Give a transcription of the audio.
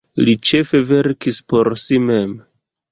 Li ĉefe verkis por si mem.